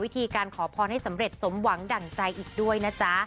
การขอพรให้สำเร็จสมหวังดั่งใจอีกด้วยนะจ๊ะ